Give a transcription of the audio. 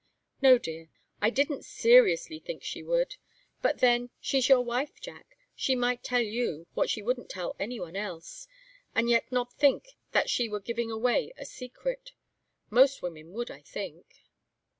"No, dear. I didn't seriously think she would. But then she's your wife, Jack. She might tell you what she wouldn't tell any one else, and yet not think that she were giving away a secret. Most women would, I think."